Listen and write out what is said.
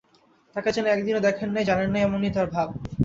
তাকে যেন একদিনও দেখেন নাই, জানেন নাই, এমনি তাঁর ভাব।